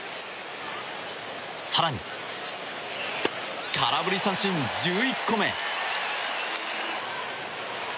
更に、空振り三振、１１個目。